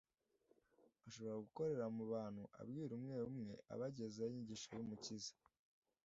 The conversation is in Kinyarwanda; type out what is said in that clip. ashobora gukorera mu bantu abwira umwe umwe, abagezaho inyigisho y'Umukiza.